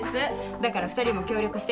だから２人も協力して。